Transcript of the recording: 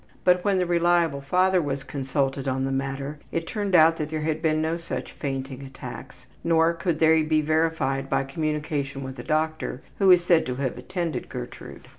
But when the reliable father was consulted on the matter it turned out there had been no such fainting attacks, nor could they be verified by communication with a doctor who is said to have attended Gertrude.